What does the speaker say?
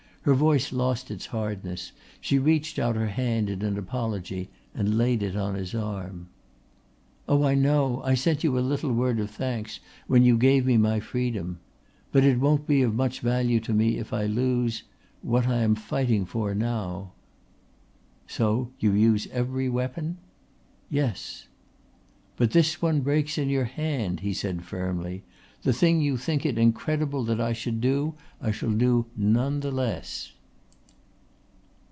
Her voice lost its hardness, she reached out her hand in an apology and laid it on his arm. "Oh, I know. I sent you a little word of thanks when you gave me my freedom. But it won't be of much value to me if I lose what I am fighting for now." "So you use every weapon?" "Yes." "But this one breaks in your hand," he said firmly. "The thing you think it incredible that I should do I shall do none the less."